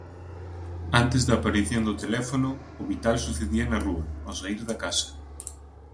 Antes da aparición do teléfono, o vital sucedía na rúa, ao saír da casa.